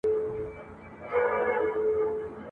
هر ځای پوست پالنګ دی